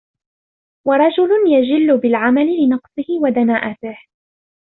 وَرَجُلٌ يَجِلُّ بِالْعَمَلِ لِنَقْصِهِ وَدَنَاءَتِهِ